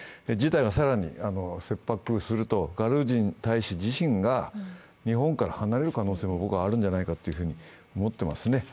事態は切迫すると、ガルージン大使自身が日本から離れる可能性もあるんじゃないかと思います。